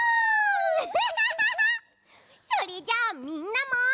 それじゃみんなも。